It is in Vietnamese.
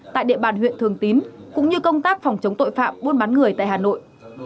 tại địa bàn huyện thường tín cũng như công tác phòng chống tội phạm buôn bán người tại hà nội